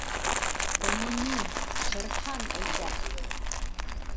Быны мин — Шер Хан — әйтәм!